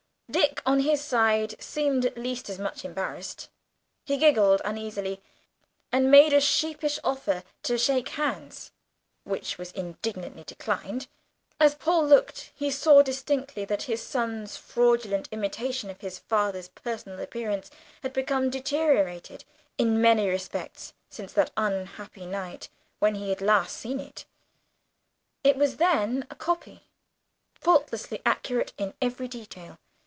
Dick on his side seemed at least as much embarrassed. He giggled uneasily, and made a sheepish offer to shake hands, which was indignantly declined. As Paul looked he saw distinctly that his son's fraudulent imitation of his father's personal appearance had become deteriorated in many respects since that unhappy night when he had last seen it. It was then a copy, faultlessly accurate in every detail.